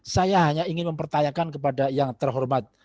saya hanya ingin mempertanyakan kepada yang terhormat